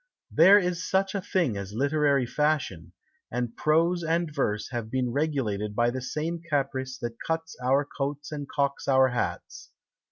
There is such a thing as Literary Fashion, and prose and verse have been regulated by the same caprice that cuts our coats and cocks our hats.